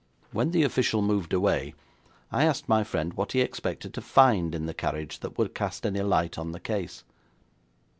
When the official moved away, I asked my friend what he expected to find in the carriage that would cast any light on the case.